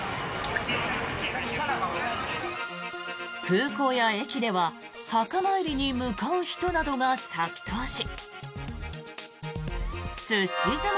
空港や駅では墓参りに向かう人などが殺到しすし詰め